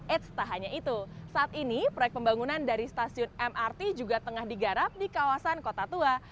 eits tak hanya itu saat ini proyek pembangunan dari stasiun mrt juga tengah digarap di kawasan kota tua